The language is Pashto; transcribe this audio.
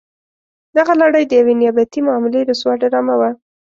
دغه لړۍ د یوې نیابتي معاملې رسوا ډرامه وه.